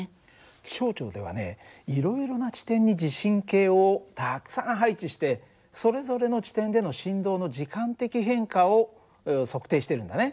気象庁ではねいろいろな地点に地震計をたくさん配置してそれぞれの地点での振動の時間的変化を測定してるんだね。